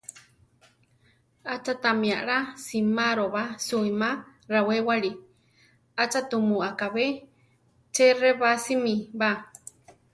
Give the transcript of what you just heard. ¿Acha tami alá simároba suíma rawéwali? ¿acha tumu akabé cheʼrebásimi ba?